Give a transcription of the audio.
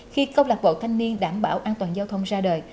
khi công lạc bộ thanh niên đảm bảo an toàn giao thông ra đời